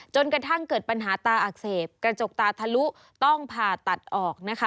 จนกระทั่งเกิดปัญหาตาอักเสบกระจกตาทะลุต้องผ่าตัดออกนะคะ